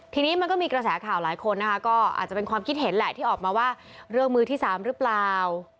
ทีนี้มันก็มีกระแสข่าวหลายคนนะคะก็อาจจะเป็นความคิดเห็นแหละที่ออกมาว่าเรื่องมือที่๓หรือเปล่า